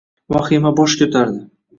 Vahima bosh ko‘tardi